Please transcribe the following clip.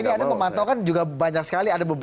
ini anda memantau kan juga banyak sekali